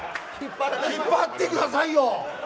引っ張ってくださいよ。